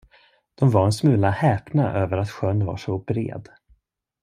De var en smula häpna över att sjön var så bred.